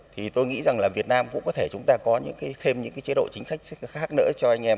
thì tôi nghĩ rằng việt nam cũng có thể chúng ta có thêm những chế độ chính sách khác nữa cho anh em